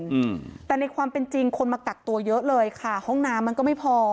อืมแต่ในความเป็นจริงคนมากักตัวเยอะเลยค่ะห้องน้ำมันก็ไม่พอ